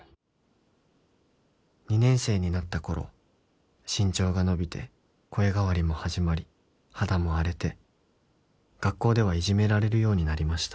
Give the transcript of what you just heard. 「２年生になった頃」「身長が伸びて声変わりも始まり肌も荒れて」「学校ではいじめられるようになりました」